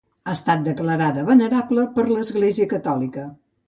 Ha estat declarada venerable per l'Església catòlica.